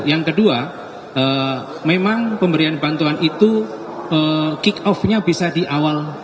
yang kedua memang pemberian bantuan itu kick off nya bisa di awal